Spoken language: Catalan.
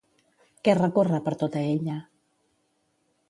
Què recorre per tota ella?